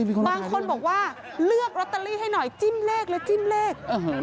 บางคนบอกว่าเลือกลอตเตอรี่ให้หน่อยจิ้มเลขแล้วจิ้มเลข